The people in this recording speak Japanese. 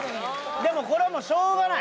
でもこれはしょうがない